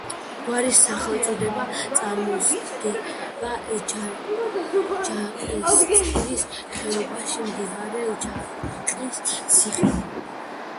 გვარის სახელწოდება წარმოსდგება ჯაყისწყლის ხეობაში მდებარე ჯაყის ციხიდან.